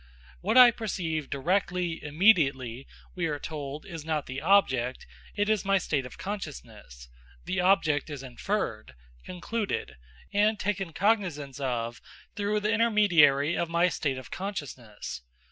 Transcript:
What I perceive directly, immediately, we are told, is not the object, it is my state of consciousness; the object is inferred; concluded, and taken cognisance of through the intermediary of my state of consciousness.